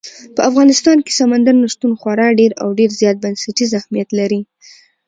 په افغانستان کې سمندر نه شتون خورا ډېر او ډېر زیات بنسټیز اهمیت لري.